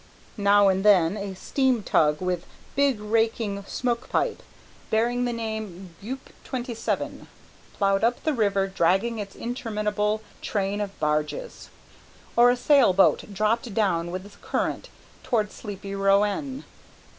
Now and then a steam tug with big raking smoke pipe, bearing the name "Guêpe 27," ploughed up the river dragging its interminable train of barges, or a sailboat dropped down with the current toward sleepy Rouen.